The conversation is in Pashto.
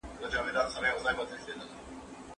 خلګو د خپلو شته وسايلو څخه ګټه اخيستله.